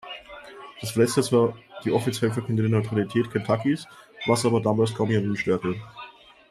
Das verletzte zwar die offiziell verkündete Neutralität Kentuckys, was aber damals kaum jemanden störte.